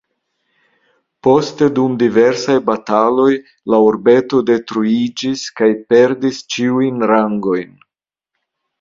Poste dum diversaj bataloj la urbeto detruiĝis kaj perdis ĉiujn rangojn.